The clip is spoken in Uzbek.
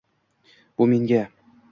bu menga